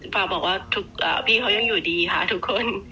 ฝากบอกว่าพี่เขายังอยู่ดีค่ะทุกคน